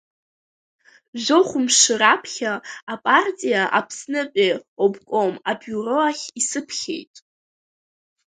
Жәохә-мшы раԥхьа апартиа Аԥснытәи обком абиуро ахь исыԥхьеит.